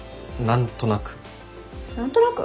何となく。